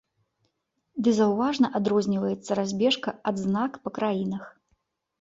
Ды заўважна адрозніваецца разбежка адзнак па краінах.